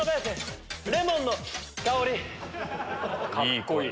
カッコいい！